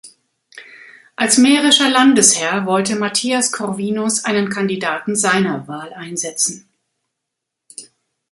Als mährischer Landesherr wollte Matthias Corvinus einen Kandidaten seiner Wahl einsetzen.